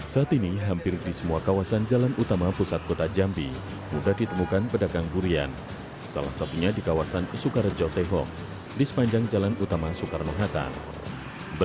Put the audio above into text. sementara untuk harga akan tergantung dari besar atau kecilnya ukuran buah